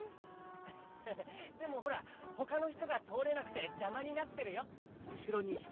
アッハハでもほらほかのひとがとおれなくてじゃまになってるよ！